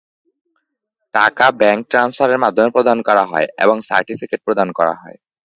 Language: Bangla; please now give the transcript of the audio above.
টাকা ব্যাংক ট্রান্সফারের মাধ্যমে প্রদান করা হয় এবং সার্টিফিকেট প্রদান করা হয়।